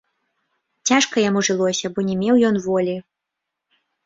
Цяжка яму жылося, бо не меў ён волі.